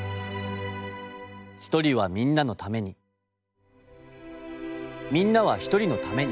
「一人はみんなのためにみんなは一人のために」。